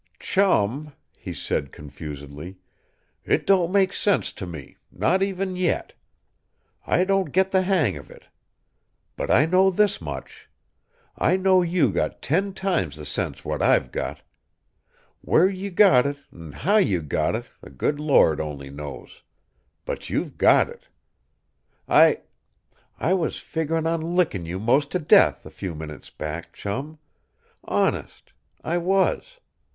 "Chum," he said confusedly, "it don't make sense to me, not even yet. I don't get the hang of it. But I know this much: I know you got ten times the sense what I'VE got. Where you got it an' how you got it the good Lord only knows. But you've got it. I I was figgerin' on lickin' you 'most to death, a few minutes back. Chum. Honest, I was.